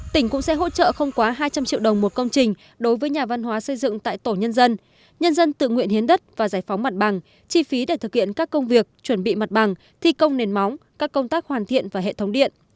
tỉnh cũng sẽ hỗ trợ không quá hai trăm linh triệu đồng một công trình đối với nhà văn hóa xây dựng tại tổ nhân dân nhân dân tự nguyện hiến đất và giải phóng mặt bằng chi phí để thực hiện các công việc chuẩn bị mặt bằng thi công nền móng các công tác hoàn thiện và hệ thống điện